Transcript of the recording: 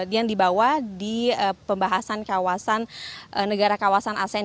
yang dibawa di pembahasan negara kawasan asean